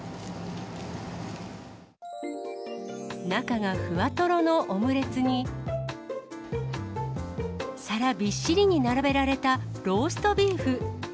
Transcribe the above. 中がふわとろのオムレツに、皿びっしりに並べられたローストビーフ。